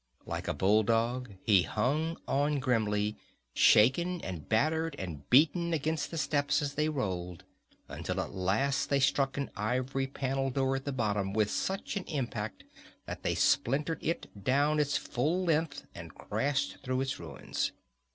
Like a bulldog he hung on grimly, shaken and battered and beaten against the steps as they rolled, until at last they struck an ivory panel door at the bottom with such an impact that they splintered it down its full length and crashed through its ruins.